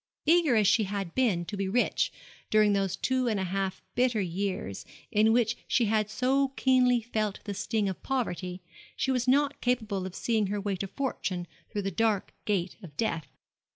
Eager as she had been to be rich during those two and a half bitter years in which she had so keenly felt the sting of poverty, she was not capable of seeing her way to fortune through the dark gate of death.